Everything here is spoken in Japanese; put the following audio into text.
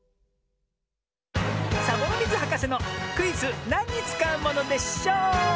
サボノミズはかせのクイズ「なんにつかうものでショー」！